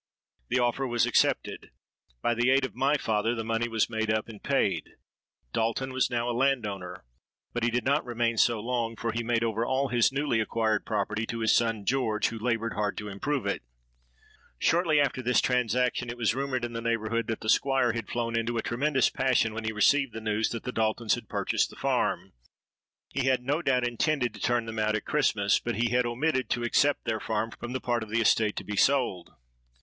The offer was accepted: by the aid of my father the money was made up and paid. Dalton was now a landowner; but he did not remain so long—for he made over all his newly acquired property to his son George, who laboured hard to improve it. "Shortly after this transaction, it was rumoured in the neighbourhood that the Squire had flown into a tremendous passion when he received the news that the Daltons had purchased the farm. He had no doubt intended to turn them out at Christmas; but he had omitted to except their farm from the part of the estate to be sold.